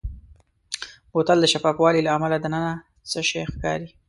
بوتل د شفاف والي له امله دننه څه شی ښکاري.